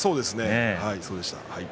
そうでした。